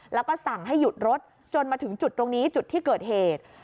แล้วก็สั่งให้หยุดรถจนมาถึงจุดตรงนี้จุดที่เกิดเหตุ